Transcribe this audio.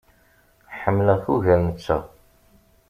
Ḥemmleɣ-k ugar netta.